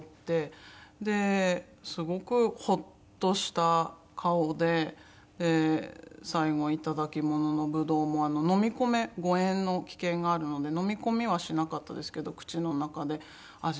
ですごくホッとした顔で最後いただきもののブドウも飲み込め誤嚥の危険があるので飲み込みはしなかったんですけど口の中で味わって。